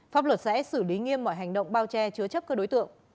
pháp luật sẽ xử lý nghiêm mọi hành động bao che chứa chấp các đối tượng